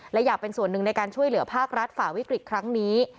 และอยากเป็นส่วนหนึ่งในการช่วยเหลือภาครัฐฝ่าวิกฤตครั้งนี้